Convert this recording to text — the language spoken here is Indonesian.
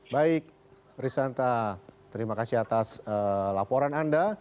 baik risanta terima kasih atas laporan anda